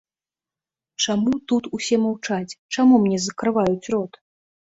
Чаму тут усе маўчаць, чаму мне закрываюць рот?